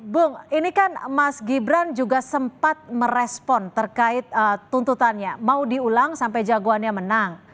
bung ini kan mas gibran juga sempat merespon terkait tuntutannya mau diulang sampai jagoannya menang